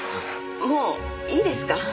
もういいですか？